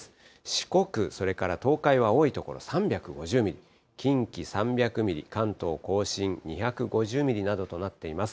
四国、それから東海は多い所３５０ミリ、近畿３００ミリ、関東甲信２５０ミリなどとなっています。